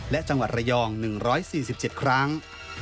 และจังหวัดระยอง๑๔๗ครั้ง